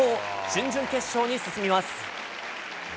準々決勝に進みます。